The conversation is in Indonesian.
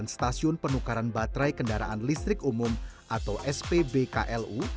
seribu enam ratus tiga puluh sembilan stasiun penukaran baterai kendaraan listrik umum atau spbklu